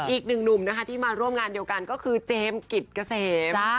อีกนุ่มที่มาร่วมงานเดียวกันก็คือเจมส์กริสเฟม